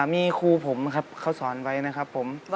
มีครูผมครับเขาสอนไว้นะครับผม